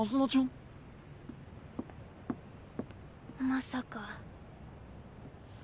まさか。